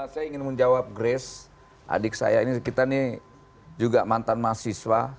saya ingin menjawab grace adik saya ini kita nih juga mantan mahasiswa